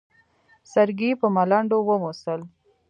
سرګي په ملنډو وموسل.